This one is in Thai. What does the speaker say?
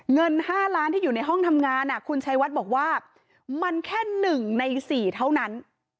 เงิน๕ล้านที่อยู่ในห้องทำงานคุณชัยวัดบอกว่ามันแค่๑ใน๔เท่านั้น